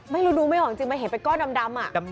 ไม่รู้ดูไม่ออกจริงมันเห็นเป็นก้อนดำ